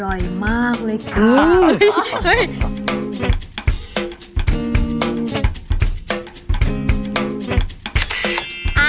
อร่อยมากเลยค่ะ